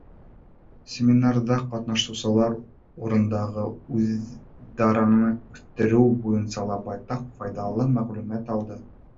Семинарҙа ҡатнашыусылар урындағы үҙидараны үҫтереү буйынса ла байтаҡ файҙалы мәғлүмәт алды.